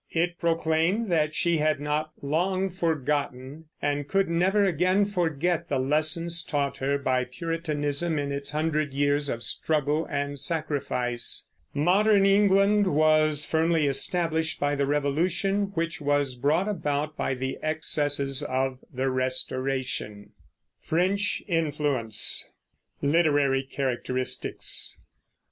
It proclaimed that she had not long forgotten, and could never again forget, the lesson taught her by Puritanism in its hundred years of struggle and sacrifice. Modern England was firmly established by the Revolution, which was brought about by the excesses of the Restoration. LITERARY CHARACTERISTICS.